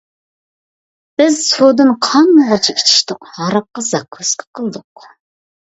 بىز سۇدىن قانغۇچە ئىچىشتۇق، ھاراققا زاكۇسكا قىلدۇق.